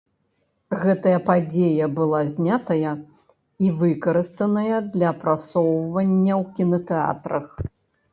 Гэтая падзея была знятая і выкарыстаная для прасоўваньня ў кінатэатрах.